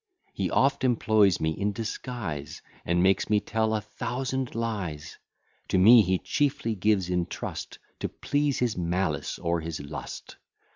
He oft employs me in disguise, And makes me tell a thousand lies: To me he chiefly gives in trust To please his malice or his lust.